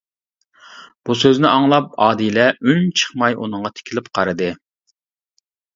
بۇ سۆزنى ئاڭلاپ ئادىلە ئۈنچىقماي ئۇنىڭغا تىكىلىپ قارىدى.